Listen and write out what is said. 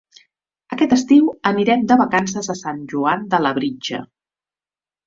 Aquest estiu anirem de vacances a Sant Joan de Labritja.